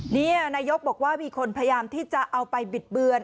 นี่นายกบอกว่ามีคนพยายามที่จะเอาไปบิดเบือน